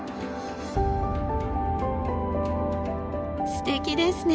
すてきですね。